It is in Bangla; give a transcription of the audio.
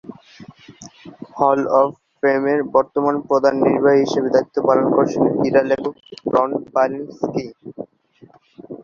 হল অব ফেমের বর্তমান প্রধান নির্বাহী হিসেবে দায়িত্ব পালন করছেন ক্রীড়া লেখক রন পালেনস্কি।